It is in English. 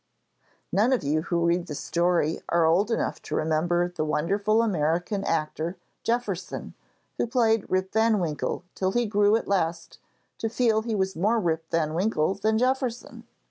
None of you who read this story are old enough to remember the wonderful American actor Jefferson, who played Rip van Winkle till he grew at last to feel he was more Rip van Winkle than Jefferson.